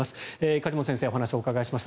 梶本先生にお話を伺いました。